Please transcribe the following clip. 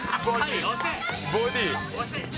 ボディー。